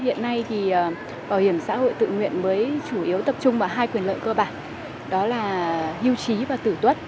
hiện nay thì bảo hiểm xã hội tự nguyện mới chủ yếu tập trung vào hai quyền lợi cơ bản đó là hưu trí và tử tuất